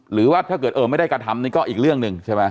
หรือว่าถ้าเกิดเออไม่ได้กระทำนี่ก็อีกเรื่องหนึ่งใช่ไหม